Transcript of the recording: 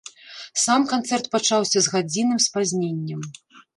Сам канцэрт пачаўся з гадзінным спазненнем.